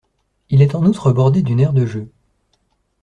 Il est en outre bordé d'une aire de jeux.